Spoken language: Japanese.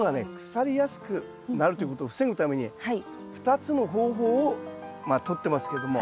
腐りやすくなるということを防ぐために２つの方法をまあとってますけども。